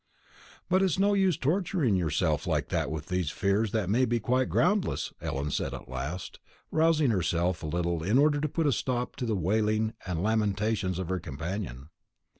"But it's no use torturing yourself like that with fears that may be quite groundless," Ellen said at last, rousing herself a little in order to put a stop to the wailing and lamentations of her companion.